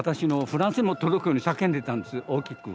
フランスにも届くように叫んでいたんです大きく。